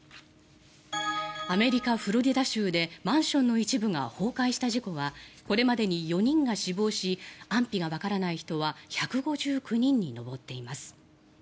アメリカ・フロリダ州でマンションの一部が崩壊した事故はこれまでに４人が死亡し安否がわからない人は１５９人に上っています。